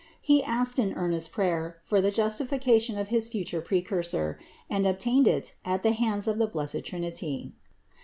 He asked in earnest prayer for the justification of his future Precursor and obtained it at the hands of the blessed Trinity.